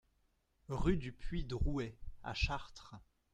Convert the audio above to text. Rue du Puits Drouet à Chartres